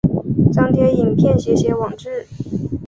张贴影片写写网志